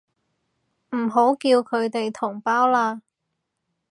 唔好叫佢哋同胞啦